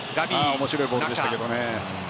面白いボールでしたけどね。